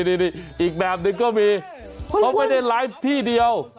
เอ่อมันเลยเอ่อยิงแบบนึกก็มีเข้าไปในไลฟ์ที่เดียว